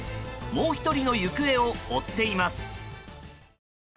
もう１人の行方を追っています。